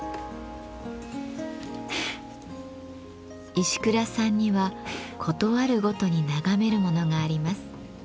石倉さんには事あるごとに眺めるものがあります。